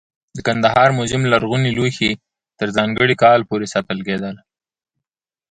د کندهار موزیم لرغوني لوښي تر ځانګړي کال پورې ساتل کېدل.